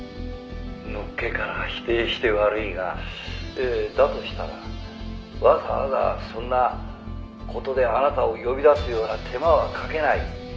「のっけから否定して悪いがだとしたらわざわざそんな事であなたを呼び出すような手間はかけない」